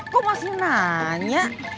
kok masih nanya